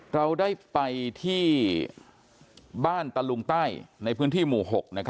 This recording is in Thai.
เราได้ไปที่บ้านตะลุงใต้ในพื้นที่หมู่๖